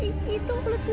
itu pelet bulu